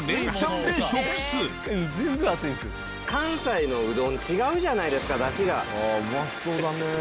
関西のうどん違うじゃないですかダシが。